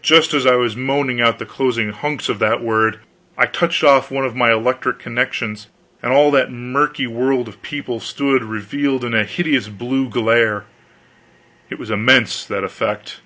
Just as I was moaning out the closing hunks of that word, I touched off one of my electric connections and all that murky world of people stood revealed in a hideous blue glare! It was immense that effect!